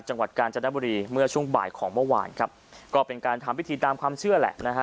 จังหวัดกาญจนบุรีเมื่อช่วงบ่ายของเมื่อวานครับก็เป็นการทำพิธีตามความเชื่อแหละนะฮะ